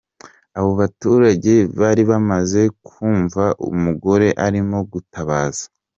Abo baturage bari bamaze kumva umugore arimo gutabaza arira.